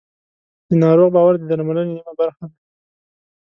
د ناروغ باور د درملنې نیمه برخه ده.